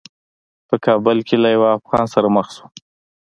په کابل کې له یوه افغان سره مخ شوم.